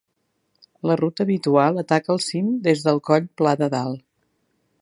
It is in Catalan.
La ruta habitual ataca el cim des del Coll Pla de Dalt.